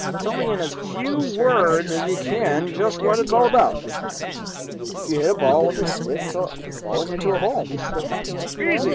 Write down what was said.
Tell me in as few words as you can just what it's all about." "You hit a ball with a stick till it falls into a hole." "Easy!"